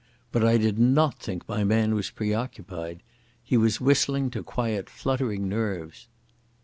But I did not think my man was preoccupied. He was whistling to quiet fluttering nerves.